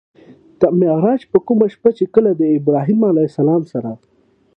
د معراج په کومه شپه چې کله د ابراهيم عليه السلام سره